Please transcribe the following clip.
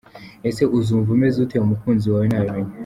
Ese uzumva umeze ute umukunzi wawe nabimenya ?.